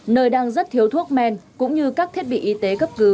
nơi đang rất thiếu thuốc men cũng như các thiết bị y tế